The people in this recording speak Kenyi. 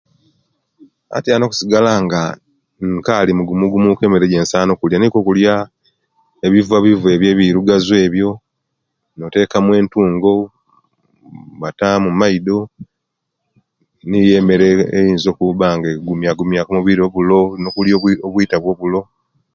Aatyano kusigala nga nkali mugumugumumunku emere ejesaana okulya nikokulya ebivabiva ebyo ebirugazu ebyo notekamu etuungo batamu maido niiyo emera eyinza kubanga gumyagumyaku omubiri obuulo nokulya bwiita bwobulo.